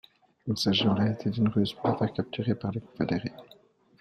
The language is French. Il s'agit en réalité d'une ruse pour la faire capturer par les confédérés.